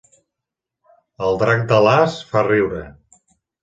El drac d'Alàs fa riure